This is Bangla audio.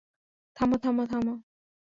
থামো থামো থামো।